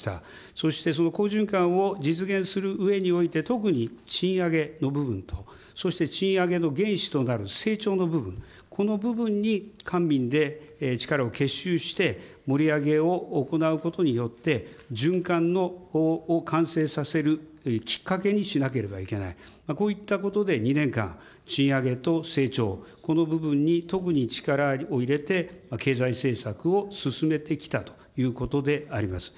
そして、その好循環を実現するうえにおいて、特に賃上げの部分と、そして賃上げの原資となる成長の部分、この部分に官民で力を結集して、盛り上げを行うことによって、循環を完成させるきっかけにしなければいけない、こういったことで２年間、賃上げと成長、この部分に特に力を入れて、経済政策を進めてきたということであります。